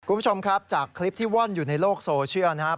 คุณผู้ชมครับจากคลิปที่ว่อนอยู่ในโลกโซเชียลนะครับ